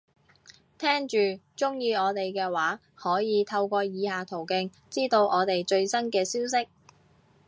聽住，鍾意我哋嘅話，可以透過以下途徑，知道我哋最新嘅消息